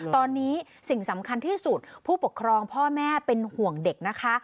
ตอนนี้สิ่งสำคัญที่สุดผู้ปกครองพ่อแม่เป็นห่วงเด็กนะคะ